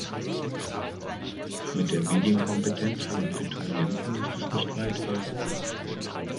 Mit der Medienkompetenz von Abiturienten ist es nicht weit her.